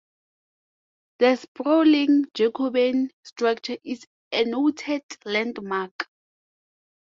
The sprawling Jacobean structure is a noted landmark.